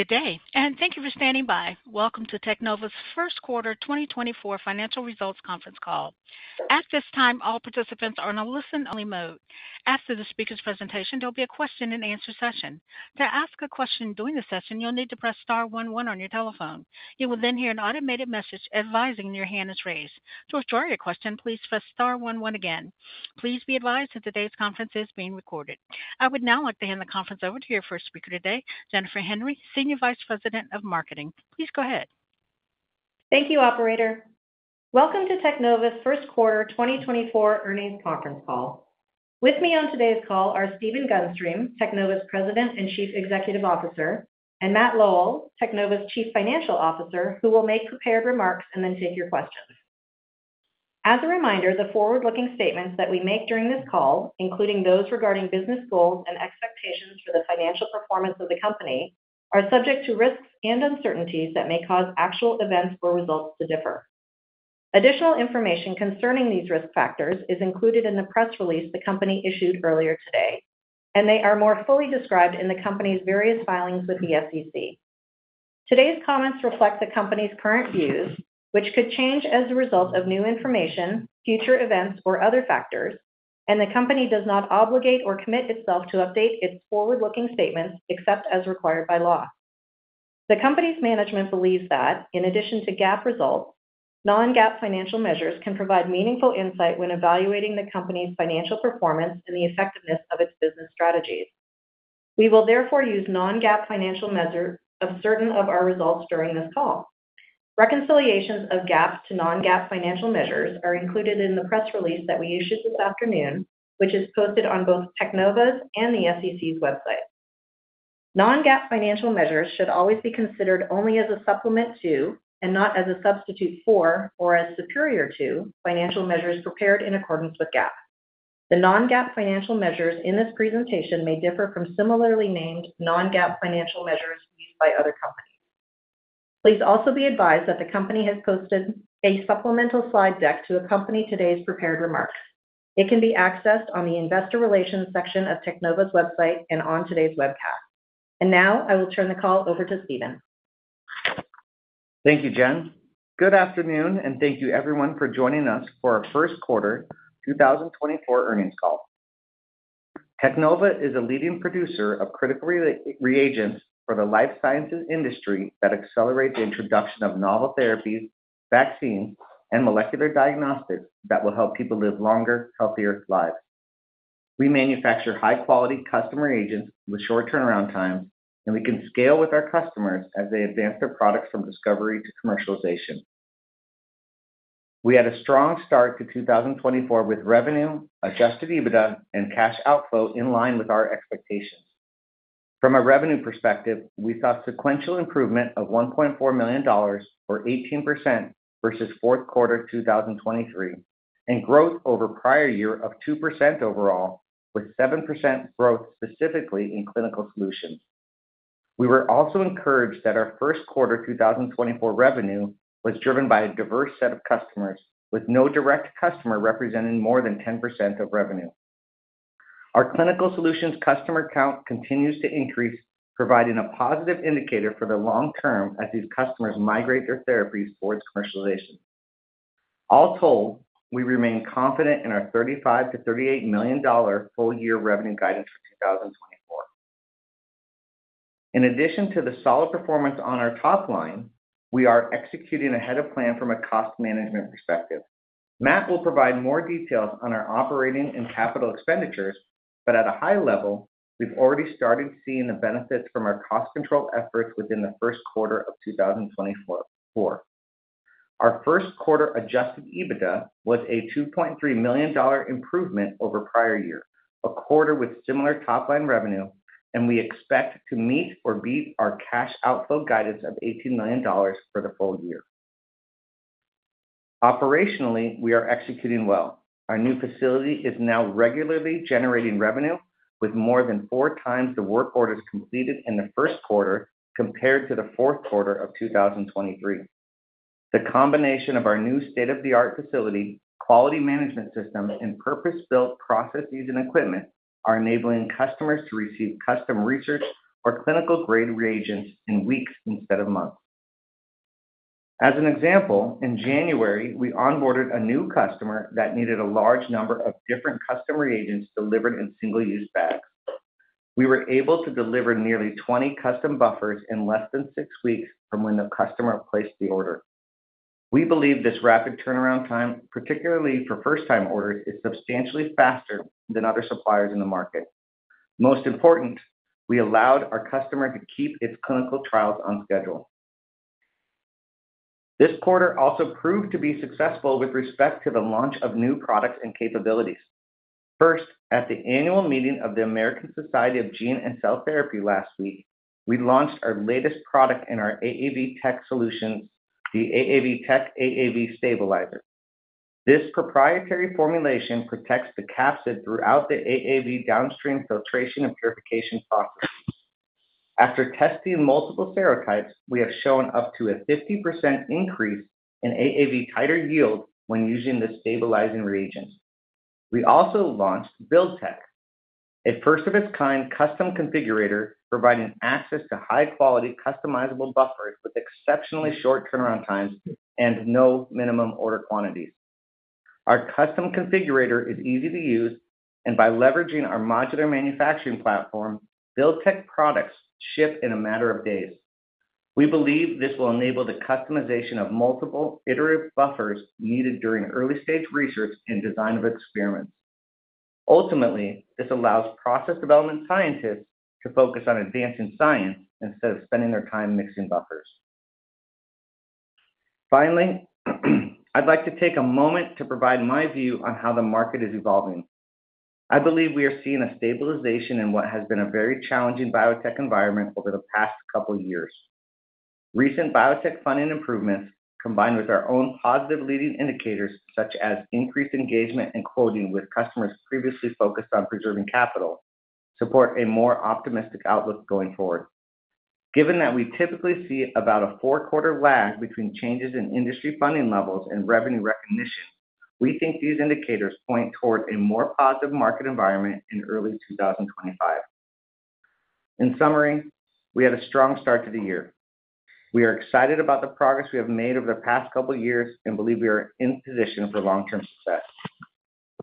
Good day, and thank you for standing by. Welcome to Teknova's First Quarter 2024 Financial Results Conference Call. At this time, all participants are in a listen-only mode. After the speaker's presentation, there'll be a Q&A session. To ask a question during the session, you'll need to press star one one on your telephone. You will then hear an automated message advising that your hand is raised. To withdraw your question, please press star one one again. Please be advised that today's conference is being recorded. I would now like to hand the conference over to your first speaker today, Jennifer Henry, Senior Vice President of Marketing. Please go ahead. Thank you, Operator. Welcome to Teknova's First Quarter 2024 Earnings Conference Call. With me on today's call are Stephen Gunstream, Teknova's President and Chief Executive Officer, and Matt Lowell, Teknova's Chief Financial Officer, who will make prepared remarks and then take your questions. As a reminder, the forward-looking statements that we make during this call, including those regarding business goals and expectations for the financial performance of the company, are subject to risks and uncertainties that may cause actual events or results to differ. Additional information concerning these risk factors is included in the press release the company issued earlier today, and they are more fully described in the company's various filings with the SEC. Today's comments reflect the company's current views, which could change as a result of new information, future events, or other factors, and the company does not obligate or commit itself to update its forward-looking statements except as required by law. The company's management believes that, in addition to GAAP results, non-GAAP financial measures can provide meaningful insight when evaluating the company's financial performance and the effectiveness of its business strategies. We will therefore use non-GAAP financial measures of certain of our results during this call. Reconciliations of GAAP to non-GAAP financial measures are included in the press release that we issued this afternoon, which is posted on both Teknova's and the SEC's website. Non-GAAP financial measures should always be considered only as a supplement to and not as a substitute for or as superior to financial measures prepared in accordance with GAAP. The non-GAAP financial measures in this presentation may differ from similarly named non-GAAP financial measures used by other companies. Please also be advised that the company has posted a supplemental slide deck to accompany today's prepared remarks. It can be accessed on the Investor Relations section of Teknova's website and on today's webcast. Now I will turn the call over to Stephen. Thank you, Jen. Good afternoon, and thank you, everyone, for joining us for our first quarter 2024 earnings call. Teknova is a leading producer of critical reagents for the life sciences industry that accelerate the introduction of novel therapies, vaccines, and molecular diagnostics that will help people live longer, healthier lives. We manufacture high-quality custom reagents with short turnaround times, and we can scale with our customers as they advance their products from discovery to commercialization. We had a strong start to 2024 with revenue, adjusted EBITDA, and cash outflow in line with our expectations. From a revenue perspective, we saw sequential improvement of $1.4 million, or 18%, versus fourth quarter 2023, and growth over prior year of 2% overall, with 7% growth specifically in Clinical Solutions. We were also encouraged that our first quarter 2024 revenue was driven by a diverse set of customers, with no direct customer representing more than 10% of revenue. Our clinical solutions customer count continues to increase, providing a positive indicator for the long term as these customers migrate their therapies towards commercialization. All told, we remain confident in our $35 million to $38 million full-year revenue guidance for 2024. In addition to the solid performance on our top line, we are executing ahead of plan from a cost management perspective. Matt will provide more details on our operating and capital expenditures, but at a high level, we've already started seeing the benefits from our cost control efforts within the first quarter of 2024. Our first quarter Adjusted EBITDA was a $2.3 million improvement over prior year, a quarter with similar top line revenue, and we expect to meet or beat our cash outflow guidance of $18 million for the full year. Operationally, we are executing well. Our new facility is now regularly generating revenue, with more than four times the work orders completed in the first quarter compared to the fourth quarter of 2023. The combination of our new state-of-the-art facility, quality management system, and purpose-built processes and equipment are enabling customers to receive custom research or clinical-grade reagents in weeks instead of months. As an example, in January, we onboarded a new customer that needed a large number of different custom reagents delivered in single-use bags. We were able to deliver nearly 20 custom buffers in less than six weeks from when the customer placed the order. We believe this rapid turnaround time, particularly for first-time orders, is substantially faster than other suppliers in the market. Most important, we allowed our customer to keep its clinical trials on schedule. This quarter also proved to be successful with respect to the launch of new products and capabilities. First, at the annual meeting of the American Society of Gene and Cell Therapy last week, we launched our latest product in our AAV-Tek solutions, the AAV-Tek AAV Stabilizer. This proprietary formulation protects the capsid throughout the AAV downstream filtration and purification processes. After testing multiple serotypes, we have shown up to a 50% increase in AAV titer yield when using the stabilizing reagents. We also launched Build-Tek, a first-of-its-kind custom configurator providing access to high-quality, customizable buffers with exceptionally short turnaround times and no minimum order quantities. Our custom configurator is easy to use, and by leveraging our modular manufacturing platform, Build-Tek products ship in a matter of days. We believe this will enable the customization of multiple iterative buffers needed during early-stage research and design of experiments. Ultimately, this allows process development scientists to focus on advancing science instead of spending their time mixing buffers. Finally, I'd like to take a moment to provide my view on how the market is evolving. I believe we are seeing a stabilization in what has been a very challenging biotech environment over the past couple of years. Recent biotech funding improvements, combined with our own positive leading indicators such as increased engagement and quoting with customers previously focused on preserving capital, support a more optimistic outlook going forward. Given that we typically see about a 4-quarter lag between changes in industry funding levels and revenue recognition, we think these indicators point toward a more positive market environment in early 2025. In summary, we had a strong start to the year. We are excited about the progress we have made over the past couple of years and believe we are in position for long-term success.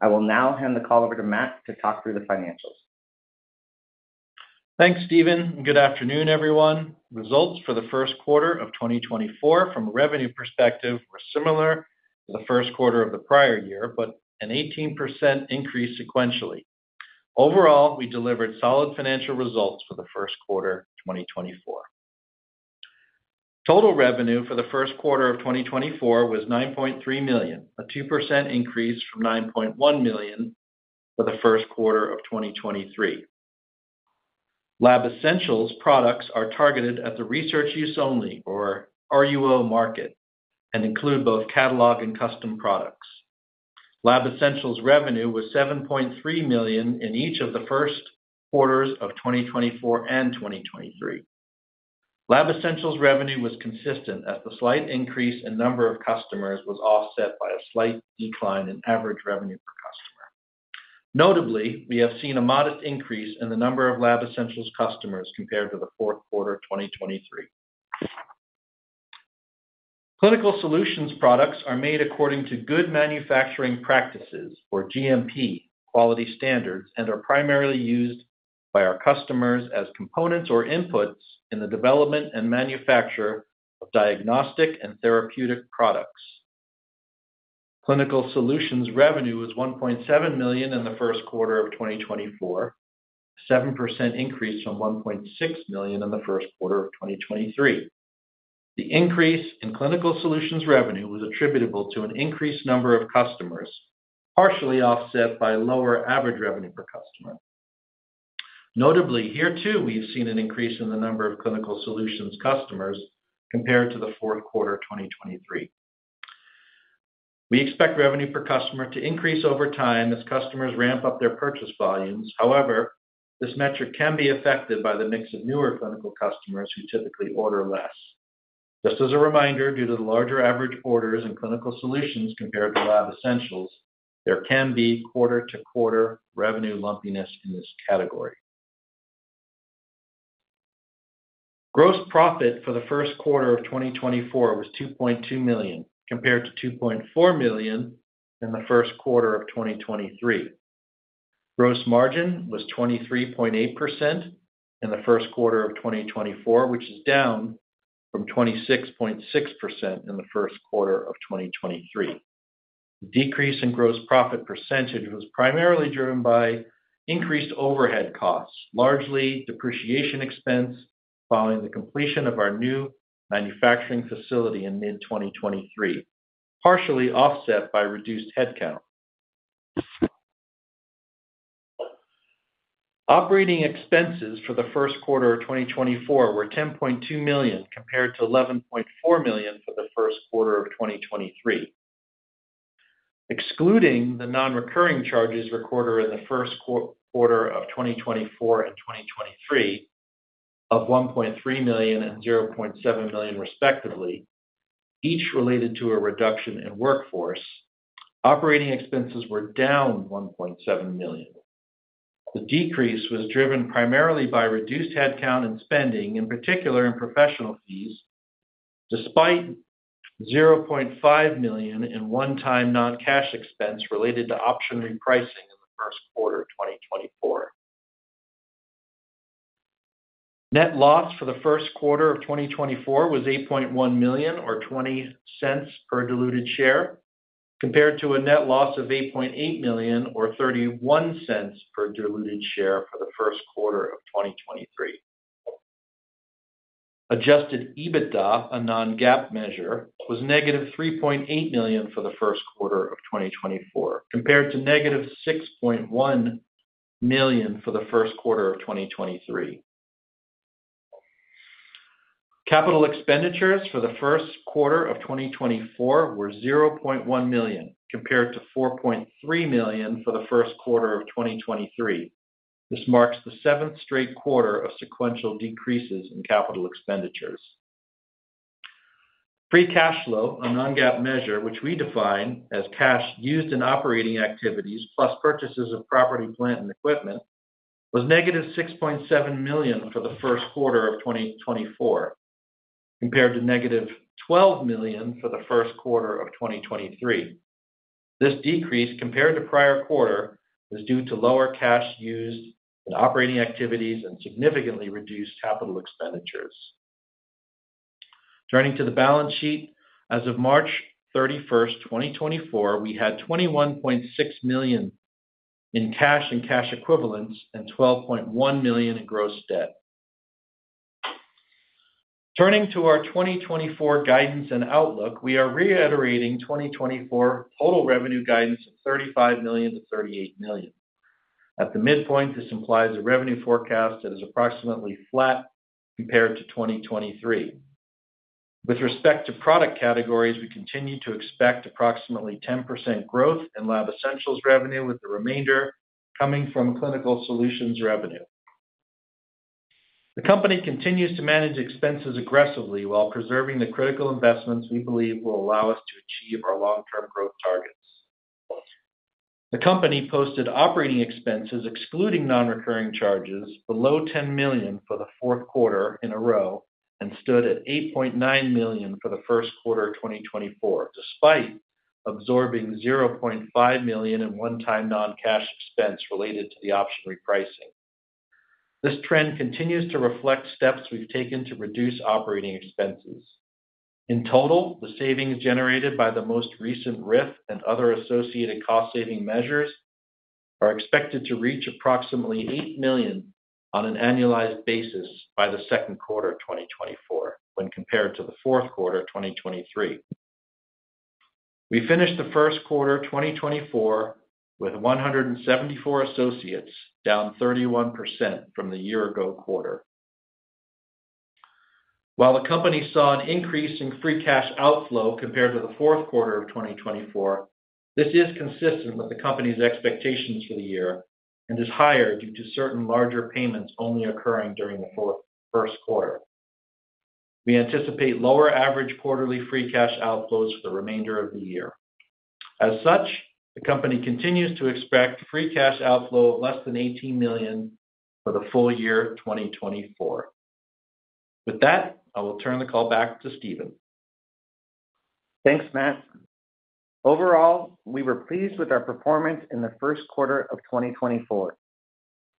I will now hand the call over to Matt to talk through the financials. Thanks, Stephen. Good afternoon, everyone. Results for the first quarter of 2024, from a revenue perspective, were similar to the first quarter of the prior year, but an 18% increase sequentially. Overall, we delivered solid financial results for the first quarter 2024. Total revenue for the first quarter of 2024 was $9.3 million, a 2% increase from $9.1 million for the first quarter of 2023. Lab Essentials products are targeted at the research use only, or RUO, market and include both catalog and custom products. Lab Essentials revenue was $7.3 million in each of the first quarters of 2024 and 2023. Lab Essentials revenue was consistent as the slight increase in number of customers was offset by a slight decline in average revenue per customer. Notably, we have seen a modest increase in the number of Lab Essentials customers compared to the fourth quarter 2023. Clinical Solutions products are made according to Good Manufacturing Practices, or GMP, quality standards, and are primarily used by our customers as components or inputs in the development and manufacture of diagnostic and therapeutic products. Clinical Solutions revenue was $1.7 million in the first quarter of 2024, a 7% increase from $1.6 million in the first quarter of 2023. The increase in Clinical Solutions revenue was attributable to an increased number of customers, partially offset by lower average revenue per customer. Notably, here too, we've seen an increase in the number of Clinical Solutions customers compared to the fourth quarter 2023. We expect revenue per customer to increase over time as customers ramp up their purchase volumes. However, this metric can be affected by the mix of newer clinical customers who typically order less. Just as a reminder, due to the larger average orders in Clinical Solutions compared to Lab Essentials, there can be quarter-to-quarter revenue lumpiness in this category. Gross profit for the first quarter of 2024 was $2.2 million compared to $2.4 million in the first quarter of 2023. Gross margin was 23.8% in the first quarter of 2024, which is down from 26.6% in the first quarter of 2023. The decrease in gross profit percentage was primarily driven by increased overhead costs, largely depreciation expense following the completion of our new manufacturing facility in mid-2023, partially offset by reduced headcount. Operating expenses for the first quarter of 2024 were $10.2 million compared to $11.4 million for the first quarter of 2023. Excluding the non-recurring charges recorded in the first quarter of 2024 and 2023 of $1.3 million and $0.7 million respectively, each related to a reduction in workforce, operating expenses were down $1.7 million. The decrease was driven primarily by reduced headcount and spending, in particular in professional fees, despite $0.5 million in one-time non-cash expense related to option repricing in the first quarter of 2024. Net loss for the first quarter of 2024 was $8.1 million, or $0.20 per diluted share, compared to a net loss of $8.8 million, or $0.31 per diluted share for the first quarter of 2023. Adjusted EBITDA, a non-GAAP measure, was negative $3.8 million for the first quarter of 2024, compared to negative $6.1 million for the first quarter of 2023. Capital expenditures for the first quarter of 2024 were $0.1 million, compared to $4.3 million for the first quarter of 2023. This marks the seventh straight quarter of sequential decreases in capital expenditures. Free cash flow, a non-GAAP measure, which we define as cash used in operating activities plus purchases of property, plant, and equipment, was negative $6.7 million for the first quarter of 2024, compared to negative $12 million for the first quarter of 2023. This decrease, compared to prior quarter, was due to lower cash used in operating activities and significantly reduced capital expenditures. Turning to the balance sheet, as of March 31st, 2024, we had $21.6 million in cash and cash equivalents and $12.1 million in gross debt. Turning to our 2024 guidance and outlook, we are reiterating 2024 total revenue guidance of $35 million to $38 million. At the midpoint, this implies a revenue forecast that is approximately flat compared to 2023. With respect to product categories, we continue to expect approximately 10% growth in Lab Essentials revenue, with the remainder coming from Clinical Solutions revenue. The company continues to manage expenses aggressively while preserving the critical investments we believe will allow us to achieve our long-term growth targets. The company posted operating expenses, excluding non-recurring charges, below $10 million for the fourth quarter in a row and stood at $8.9 million for the first quarter of 2024, despite absorbing $0.5 million in one-time non-cash expense related to the option repricing. This trend continues to reflect steps we've taken to reduce operating expenses. In total, the savings generated by the most recent RIF and other associated cost-saving measures are expected to reach approximately $8 million on an annualized basis by the second quarter of 2024 when compared to the fourth quarter of 2023. We finished the first quarter 2024 with 174 associates, down 31% from the year-ago quarter. While the company saw an increase in free cash outflow compared to the fourth quarter of 2024, this is consistent with the company's expectations for the year and is higher due to certain larger payments only occurring during the first quarter. We anticipate lower average quarterly free cash outflows for the remainder of the year. As such, the company continues to expect free cash outflow of less than $18 million for the full year 2024. With that, I will turn the call back to Stephen. Thanks, Matt. Overall, we were pleased with our performance in the first quarter of 2024.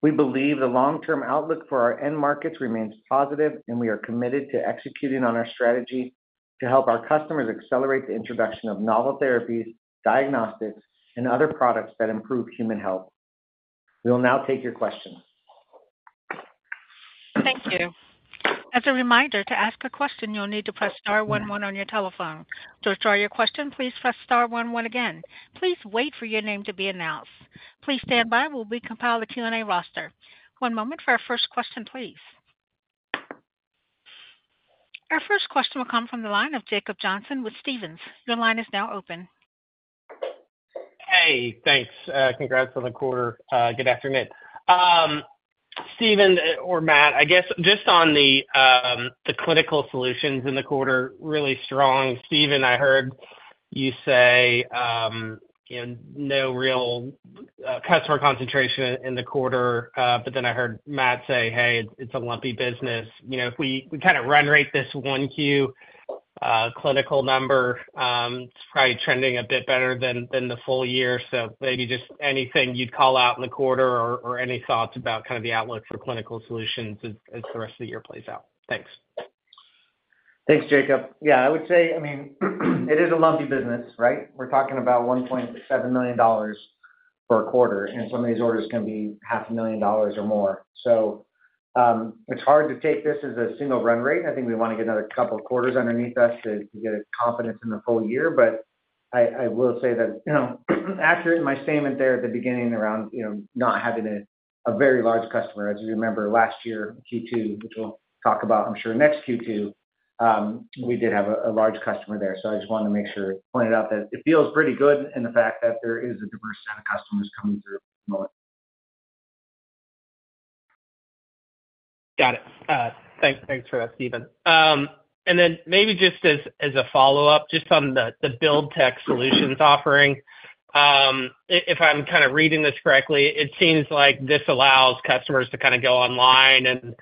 We believe the long-term outlook for our end markets remains positive, and we are committed to executing on our strategy to help our customers accelerate the introduction of novel therapies, diagnostics, and other products that improve human health. We will now take your questions. Thank you. As a reminder, to ask a question, you'll need to press star one one on your telephone. To withdraw your question, please press star one one again. Please wait for your name to be announced. Please stand by. We'll be compiling the Q&A roster. One moment for our first question, please. Our first question will come from the line of Jacob Johnson with Stephens. Your line is now open. Hey. Thanks. Congrats on the quarter. Good afternoon. Stephen, or Matt, I guess just on the clinical solutions in the quarter, really strong. Stephen, I heard you say no real customer concentration in the quarter, but then I heard Matt say, "Hey, it's a lumpy business." If we kind of run-rate this Q1 clinical number, it's probably trending a bit better than the full year. So maybe just anything you'd call out in the quarter or any thoughts about kind of the outlook for clinical solutions as the rest of the year plays out. Thanks. Thanks, Jacob. Yeah, I would say, I mean, it is a lumpy business, right? We're talking about $1.7 million for a quarter, and some of these orders can be $500,000 or more. So it's hard to take this as a single run rate. I think we want to get another couple of quarters underneath us to get confidence in the full year. But I will say that accurate in my statement there at the beginning around not having a very large customer, as you remember, last year, Q2, which we'll talk about, I'm sure, next Q2, we did have a large customer there. So I just wanted to make sure I pointed out that it feels pretty good and the fact that there is a diverse set of customers coming through at the moment. Got it. Thanks for that, Stephen. And then maybe just as a follow-up, just on the Build-Tek solutions offering, if I'm kind of reading this correctly, it seems like this allows customers to kind of go online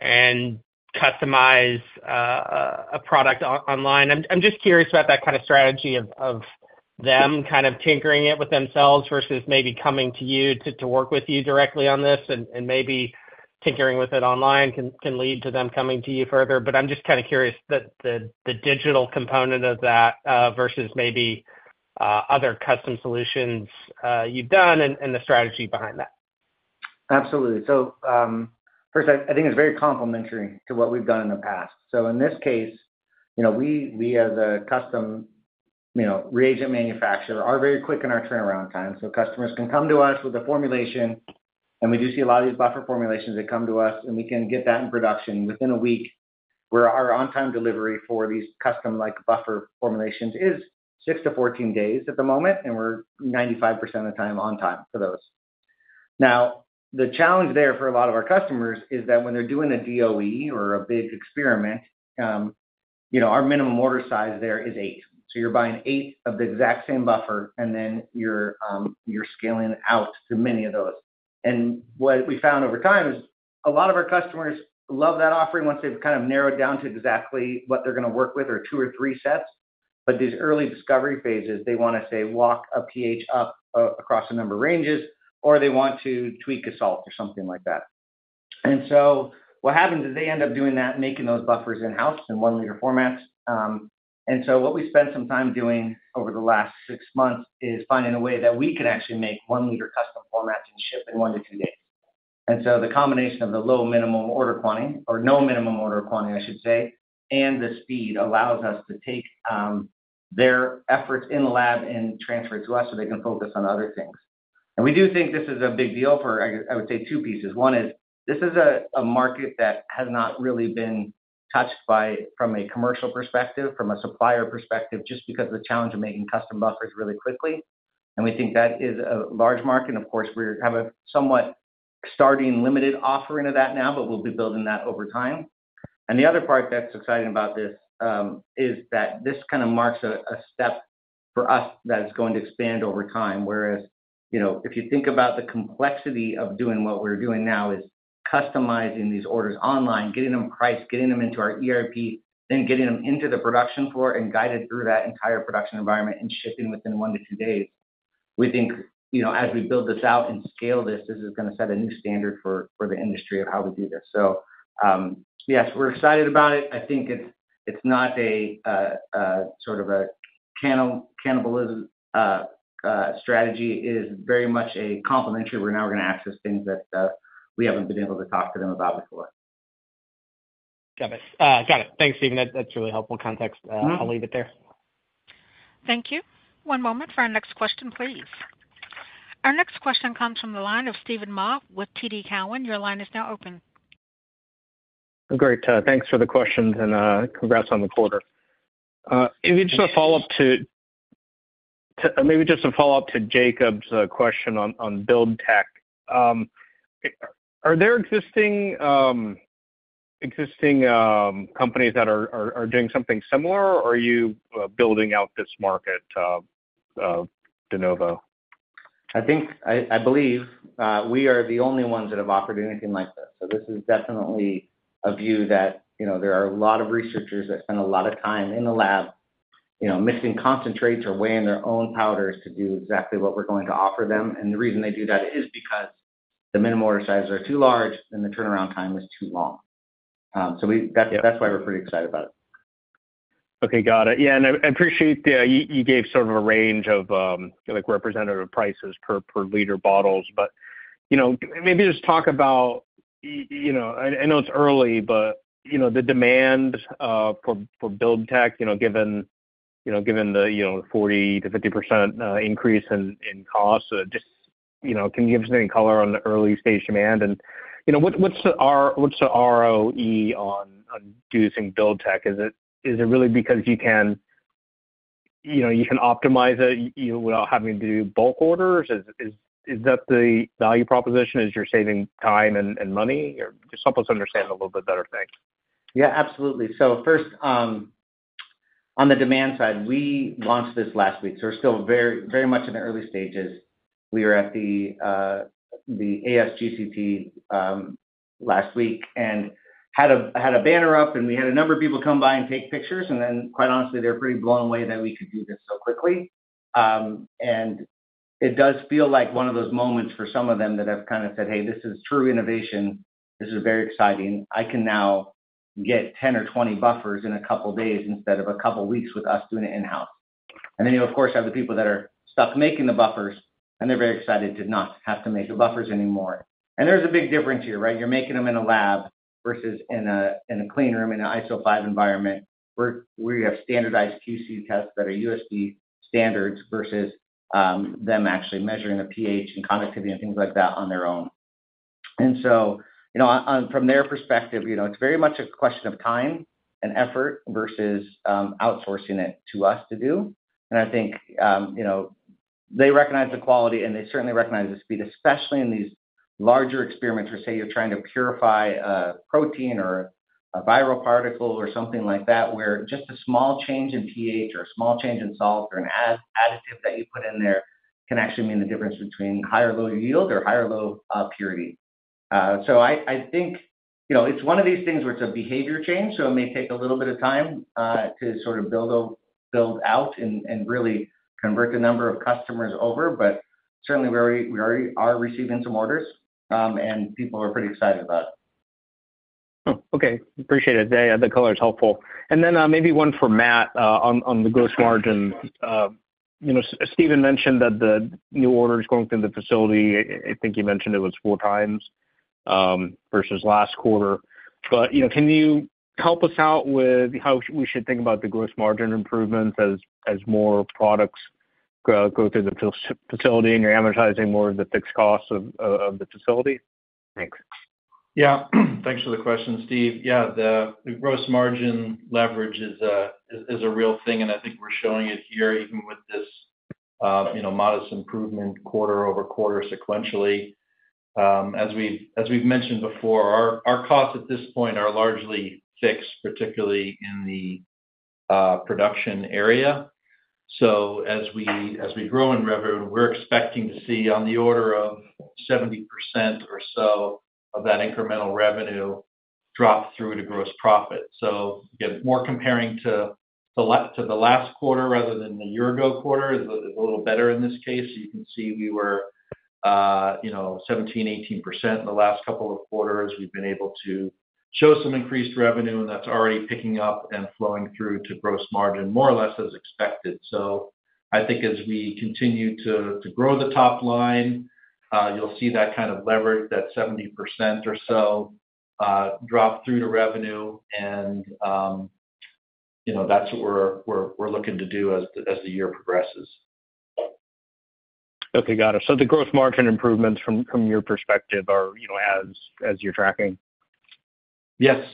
and customize a product online. I'm just curious about that kind of strategy of them kind of tinkering it with themselves versus maybe coming to you to work with you directly on this and maybe tinkering with it online can lead to them coming to you further. But I'm just kind of curious the digital component of that versus maybe other custom solutions you've done and the strategy behind that. Absolutely. First, I think it's very complementary to what we've done in the past. In this case, we as a custom reagent manufacturer are very quick in our turnaround time. Customers can come to us with a formulation, and we do see a lot of these buffer formulations that come to us, and we can get that in production within a week where our on-time delivery for these custom-like buffer formulations is 6-14 days at the moment, and we're 95% of the time on time for those. Now, the challenge there for a lot of our customers is that when they're doing a DOE or a big experiment, our minimum order size there is 8. You're buying 8 of the exact same buffer, and then you're scaling out to many of those. What we found over time is a lot of our customers love that offering once they've kind of narrowed down to exactly what they're going to work with or two or three sets. But these early discovery phases, they want to, say, walk a pH up across a number of ranges, or they want to tweak a salt or something like that. And so what happens is they end up doing that, making those buffers in-house in one-liter formats. And so what we spent some time doing over the last six months is finding a way that we can actually make one-liter custom formats and ship in one to two days. And so the combination of the low minimum order quantity or no minimum order quantity, I should say, and the speed allows us to take their efforts in the lab and transfer it to us so they can focus on other things. And we do think this is a big deal for, I would say, two pieces. One is this is a market that has not really been touched from a commercial perspective, from a supplier perspective, just because of the challenge of making custom buffers really quickly. And we think that is a large market. And of course, we have a somewhat startlingly limited offering of that now, but we'll be building that over time. And the other part that's exciting about this is that this kind of marks a step for us that is going to expand over time. Whereas if you think about the complexity of doing what we're doing now is customizing these orders online, getting them priced, getting them into our ERP, then getting them into the production floor and guided through that entire production environment and shipping within 1-2 days, we think as we build this out and scale this, this is going to set a new standard for the industry of how we do this. So yes, we're excited about it. I think it's not sort of a cannibalism strategy. It is very much a complementary. Now we're going to access things that we haven't been able to talk to them about before. Got it. Got it. Thanks, Stephen. That's really helpful context. I'll leave it there. Thank you. One moment for our next question, please. Our next question comes from the line of Steven Mah with TD Cowen. Your line is now open. Great. Thanks for the questions, and congrats on the quarter. Maybe just a follow-up to Jacob's question on Build-Tek. Are there existing companies that are doing something similar, or are you building out this market de novo? I believe we are the only ones that have offered anything like this. So this is definitely a view that there are a lot of researchers that spend a lot of time in the lab mixing concentrates or weighing their own powders to do exactly what we're going to offer them. And the reason they do that is because the minimum order sizes are too large, and the turnaround time is too long. So that's why we're pretty excited about it. Okay. Got it. Yeah. And I appreciate you gave sort of a range of representative prices per liter bottles. But maybe just talk about. I know it's early, but the demand for Build-Tek, given the 40%-50% increase in cost, just can you give us any color on the early-stage demand? And what's the ROI on doing Build-Tek? Is it really because you can optimize it without having to do bulk orders? Is that the value proposition? Is you're saving time and money? Just help us understand a little bit better, thanks. Yeah, absolutely. So first, on the demand side, we launched this last week, so we're still very much in the early stages. We were at the ASGCT last week and had a banner up, and we had a number of people come by and take pictures. And then quite honestly, they were pretty blown away that we could do this so quickly. And it does feel like one of those moments for some of them that have kind of said, "Hey, this is true innovation. This is very exciting. I can now get 10 or 20 buffers in a couple of days instead of a couple of weeks with us doing it in-house." And then, of course, you have the people that are stuck making the buffers, and they're very excited to not have to make the buffers anymore. And there's a big difference here, right? You're making them in a lab versus in a clean room, in an ISO 5 environment, where you have standardized QC tests that are USP standards versus them actually measuring the pH and conductivity and things like that on their own. From their perspective, it's very much a question of time and effort versus outsourcing it to us to do. I think they recognize the quality, and they certainly recognize the speed, especially in these larger experiments where, say you're trying to purify a protein or a viral particle or something like that, where just a small change in pH or a small change in salt or an additive that you put in there can actually mean the difference between high or low yield or high or low purity. So I think it's one of these things where it's a behavior change, so it may take a little bit of time to sort of build out and really convert a number of customers over. But certainly, we are receiving some orders, and people are pretty excited about it. Okay. Appreciate it. The color is helpful. And then maybe one for Matt on the gross margins. Stephen mentioned that the new order is going through the facility. I think you mentioned it was four times versus last quarter. But can you help us out with how we should think about the gross margin improvements as more products go through the facility and you're amortizing more of the fixed costs of the facility? Thanks. Yeah. Thanks for the question, Steve. Yeah, the gross margin leverage is a real thing, and I think we're showing it here even with this modest improvement quarter over quarter sequentially. As we've mentioned before, our costs at this point are largely fixed, particularly in the production area. So as we grow in revenue, we're expecting to see on the order of 70% or so of that incremental revenue drop through to gross profit. So again, more comparing to the last quarter rather than the year-ago quarter is a little better in this case. So you can see we were 17%-18% in the last couple of quarters. We've been able to show some increased revenue, and that's already picking up and flowing through to gross margin more or less as expected. I think as we continue to grow the top line, you'll see that kind of leverage, that 70% or so drop through to revenue. That's what we're looking to do as the year progresses. Okay. Got it. So the gross margin improvements from your perspective are as you're tracking? Yes.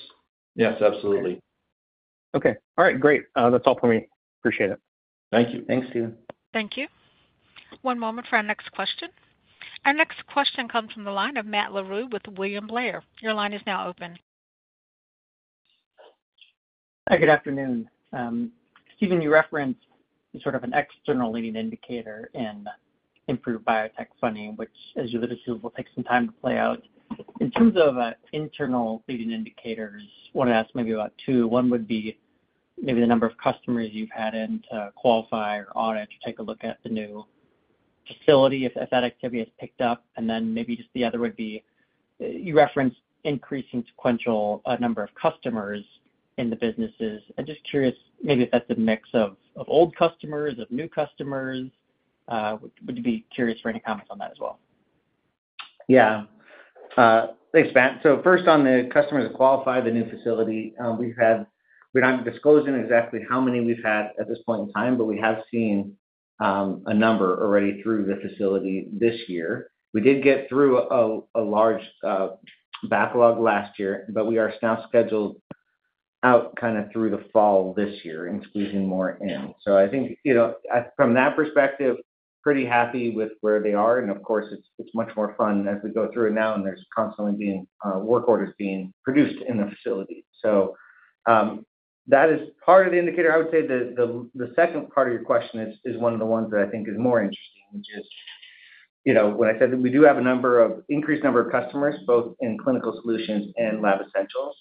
Yes, absolutely. Okay. All right. Great. That's all for me. Appreciate it. Thank you. Thanks, Stephen. Thank you. One moment for our next question. Our next question comes from the line of Matt Larew with William Blair. Your line is now open. Hi. Good afternoon. Stephen, you referenced sort of an external leading indicator in improved biotech funding, which, as you'll get to see, will take some time to play out. In terms of internal leading indicators, I want to ask maybe about two. One would be maybe the number of customers you've had in to qualify or audit or take a look at the new facility, if that activity has picked up. And then maybe just the other would be you referenced increasing sequential number of customers in the businesses. I'm just curious maybe if that's a mix of old customers, of new customers. Would be curious for any comments on that as well. Yeah. Thanks, Matt. First, on the customers that qualify the new facility, we're not disclosing exactly how many we've had at this point in time, but we have seen a number already through the facility this year. We did get through a large backlog last year, but we are now scheduled out kind of through the fall this year and squeezing more in. I think from that perspective, pretty happy with where they are. Of course, it's much more fun as we go through it now, and there's constantly being work orders being produced in the facility. That is part of the indicator. I would say the second part of your question is one of the ones that I think is more interesting, which is when I said that we do have an increased number of customers, both in Clinical Solutions and Lab Essentials.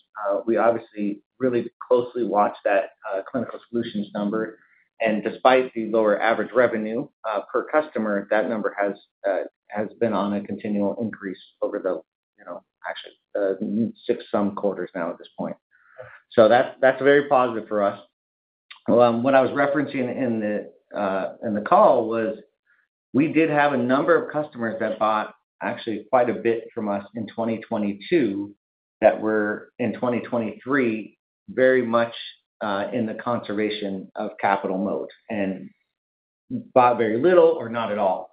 We obviously really closely watch that Clinical Solutions number. And despite the lower average revenue per customer, that number has been on a continual increase over the actually six-some quarters now at this point. So that's very positive for us. What I was referencing in the call was we did have a number of customers that bought actually quite a bit from us in 2022 that were in 2023 very much in the conservation of capital mode and bought very little or not at all.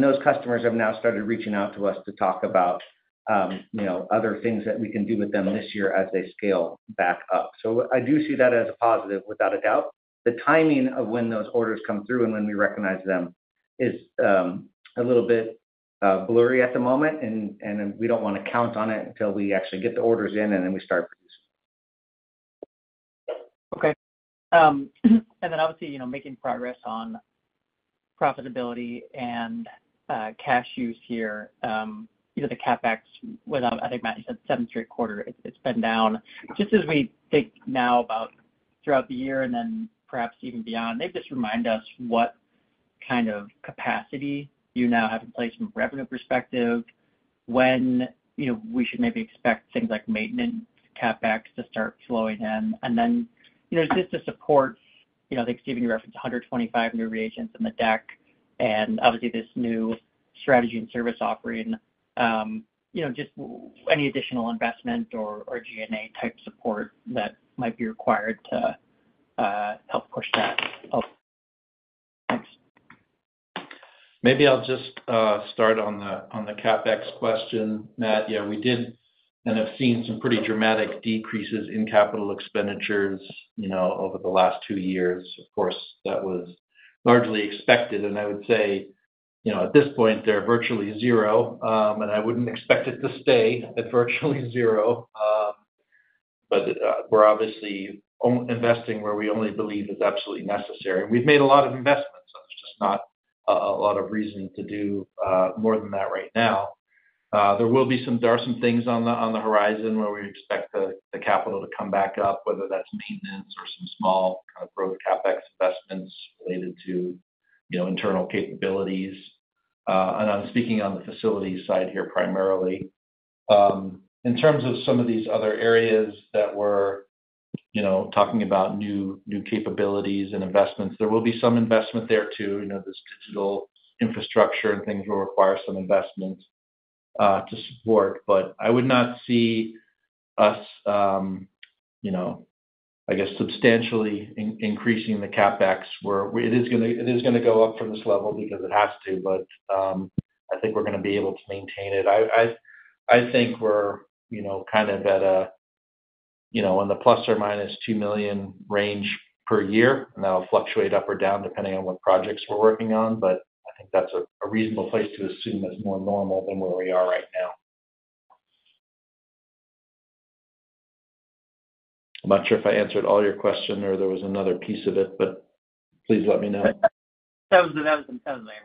Those customers have now started reaching out to us to talk about other things that we can do with them this year as they scale back up. I do see that as a positive, without a doubt. The timing of when those orders come through and when we recognize them is a little bit blurry at the moment, and we don't want to count on it until we actually get the orders in and then we start producing. Okay. And then obviously, making progress on profitability and cash use here, the CapEx, I think, Matt, you said seventh straight quarter, it's been down. Just as we think now throughout the year and then perhaps even beyond, they've just reminded us what kind of capacity you now have in place from a revenue perspective, when we should maybe expect things like maintenance CapEx to start flowing in. And then just to support, I think, Steven, you referenced 125 new reagents in the deck and obviously this new strategy and service offering, just any additional investment or G&A-type support that might be required to help push that up. Thanks. Maybe I'll just start on the CapEx question, Matt. Yeah, we did kind of see some pretty dramatic decreases in capital expenditures over the last two years. Of course, that was largely expected. I would say at this point, they're virtually zero, and I wouldn't expect it to stay at virtually zero. But we're obviously investing where we only believe is absolutely necessary. And we've made a lot of investments, so there's just not a lot of reason to do more than that right now. There are some things on the horizon where we expect the capital to come back up, whether that's maintenance or some small kind of growth CapEx investments related to internal capabilities. And I'm speaking on the facility side here primarily. In terms of some of these other areas that we're talking about, new capabilities and investments, there will be some investment there too. This digital infrastructure and things will require some investments to support. But I would not see us, I guess, substantially increasing the CapEx. It is going to go up from this level because it has to, but I think we're going to be able to maintain it. I think we're kind of at a in the ±$2 million range per year, and that'll fluctuate up or down depending on what projects we're working on. But I think that's a reasonable place to assume as more normal than where we are right now. I'm not sure if I answered all your question or there was another piece of it, but please let me know. That was an ample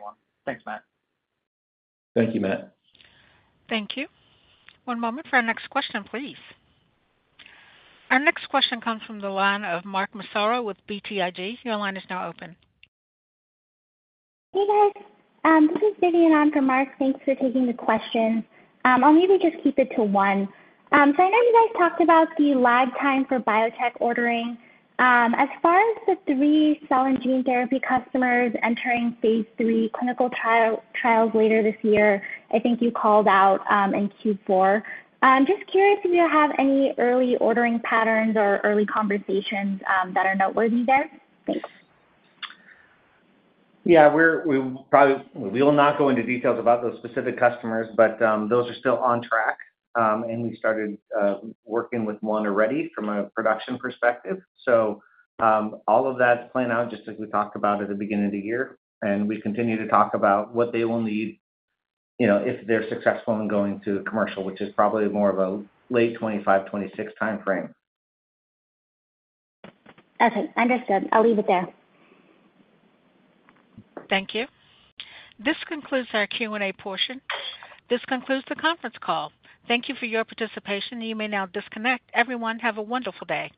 one. Thanks, Matt. Thank you, Matt. Thank you. One moment for our next question, please. Our next question comes from the line of Mark Massaro with BTIG. Your line is now open. Hey, guys. This is Vidyun on from Mark. Thanks for taking the question. I'll maybe just keep it to one. So I know you guys talked about the lag time for biotech ordering. As far as the 3 cell and gene therapy customers entering phase 3 clinical trials later this year, I think you called out in Q4. I'm just curious if you have any early ordering patterns or early conversations that are noteworthy there. Thanks. Yeah. We will not go into details about those specific customers, but those are still on track. We started working with one already from a production perspective. All of that's playing out just as we talked about at the beginning of the year. We continue to talk about what they will need if they're successful in going to commercial, which is probably more of a late 2025, 2026 timeframe. Okay. Understood. I'll leave it there. Thank you. This concludes our Q&A portion. This concludes the conference call. Thank you for your participation, and you may now disconnect. Everyone, have a wonderful day.